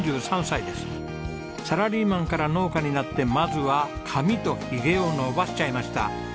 サラリーマンから農家になってまずは髪とひげを伸ばしちゃいました。